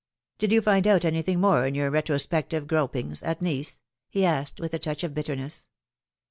" Did you find out anything more in your retrospective gropings at Nice ?" he asked, with a touch of bitterness.